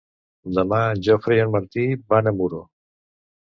Demà en Jofre i en Martí van a Muro.